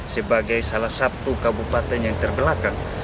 sebagai salah satu kabupaten yang terbelakang